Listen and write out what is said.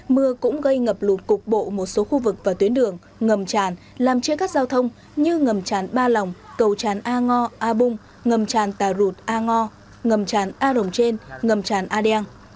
mưa cũng gây ngập lụt cục bộ một số khu vực và tuyến đường ngầm tràn làm chia cắt giao thông như ngầm tràn ba lòng cầu tràn a ngo a bung ngầm tràn tà rụt a ngo ngầm tràn a rồng trên ngầm tràn a đen